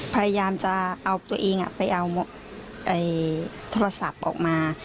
พยายามจะเอาตัวเองไปเอาโทรศัพท์ออกมา